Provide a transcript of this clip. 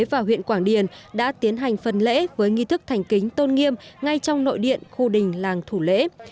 và huyện quảng điền đã tiến hành phần lễ với nghi thức thành kính tôn nghiêm ngay trong nội điện khu đình làng thủ lễ